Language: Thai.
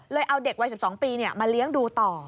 เอาเด็กวัย๑๒ปีมาเลี้ยงดูต่อ